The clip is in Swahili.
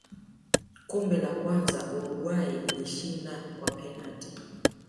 Kombe la kwanza Uruguay ilishinda kwa penati